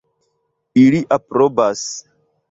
Ili aprobas.